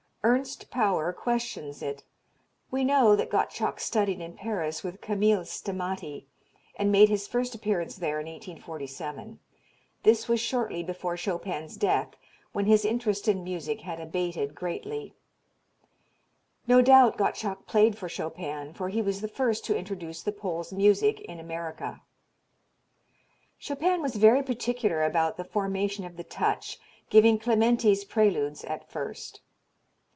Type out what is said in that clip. Ernst Pauer questions it. We know that Gottschalk studied in Paris with Camille Stamaty, and made his first appearance there in 1847. This was shortly before Chopin's death when his interest in music had abated greatly. No doubt Gottschalk played for Chopin for he was the first to introduce the Pole's music in America. Chopin was very particular about the formation of the touch, giving Clementi's Preludes at first.